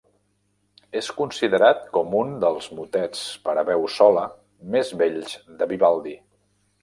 És considerat com un dels motets per a veu sola més bells de Vivaldi.